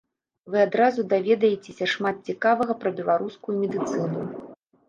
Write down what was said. Вы адразу даведаецеся шмат цікавага пра беларускую медыцыну.